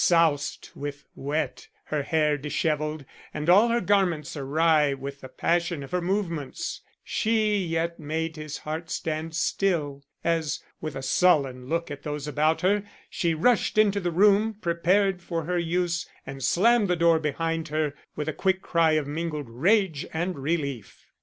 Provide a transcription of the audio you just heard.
Soused with wet, her hair disheveled, and all her garments awry with the passion of her movements, she yet made his heart stand still, as, with a sullen look at those about her, she rushed into the room prepared for her use and slammed the door behind her with a quick cry of mingled rage and relief.